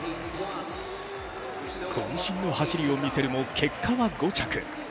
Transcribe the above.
渾身の走りを見せるも、結果は５着。